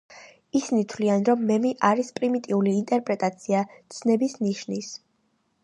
ისინი თვლიან, რომ მემი არის პრიმიტიული ინტერპრეტაცია ცნების ნიშნის.